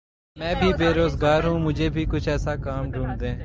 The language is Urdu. میں بھی بے روزگار ہوں مجھے بھی کچھ ایسا کام ڈھونڈ دیں